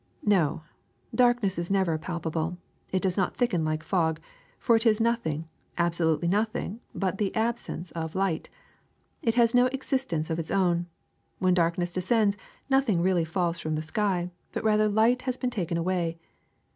''No, darkness is never palpable; it does not thicken like fog, for it is nothing, absolutely nothing but the absence of light. It has no existence of its own; when darkness descends, nothing really falls from the sky, but rather light has been taken away.